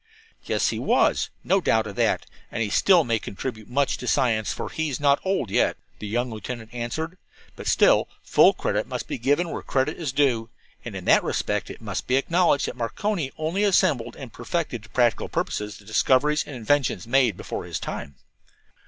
"Yes, he was; no doubt of that, and he still may contribute much to the science, for he is not old yet," the young lieutenant answered. "But still, full credit must be given where credit is due, and in that respect it must be acknowledged that Marconi only assembled and perfected to practicable purposes the discoveries and inventions made before his time.